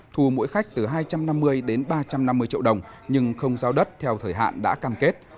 thu mỗi khách từ hai trăm năm mươi đến ba trăm năm mươi triệu đồng nhưng không giao đất theo thời hạn đã cam kết